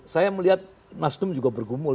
saya melihat nasdem juga bergumul